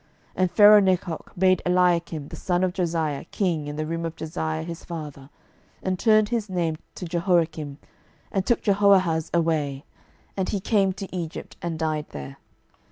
12:023:034 And Pharaohnechoh made Eliakim the son of Josiah king in the room of Josiah his father, and turned his name to Jehoiakim, and took Jehoahaz away: and he came to Egypt, and died there.